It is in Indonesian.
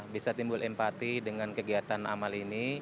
bisa timbul empati dengan kegiatan amatir